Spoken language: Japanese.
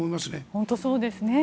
本当にそうですね。